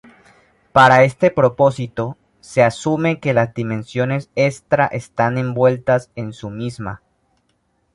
Para este propósito, se asume que las dimensiones extra están envueltas en su misma.